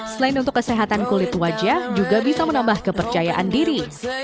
selain untuk kesehatan kulit wajah juga bisa menambah kepercayaan diri